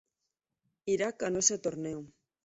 Irak ganó ese torneo.